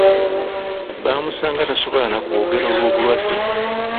Baamusanga tasobola na kwogera olw'obulwadde.